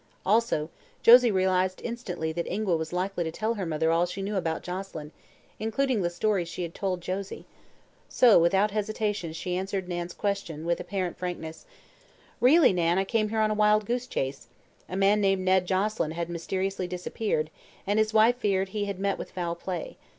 Also Josie realized instantly that Ingua was likely to tell her mother all she knew about Joselyn, including the story she had told Josie; so, without hesitation she answered Nan's question with apparent frankness: "Really, Nan, I came here on a wild goose chase. A man named Ned Joselyn had mysteriously disappeared and his wife feared he had met with foul play.